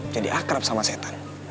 jadi akrab sama setan